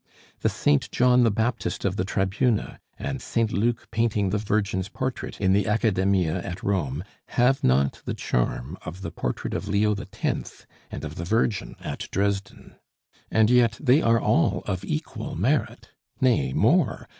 The Saint John the Baptist of the Tribuna, and Saint Luke painting the Virgin's portrait in the Accademia at Rome, have not the charm of the Portrait of Leo X., and of the Virgin at Dresden. And yet they are all of equal merit. Nay, more.